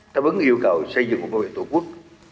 ta vẫn yêu cầu xây dựng một nội dung tổ quốc